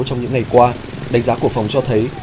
trong những ngày qua đánh giá của phòng cho thấy